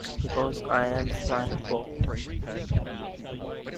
Because I am Frank Booth!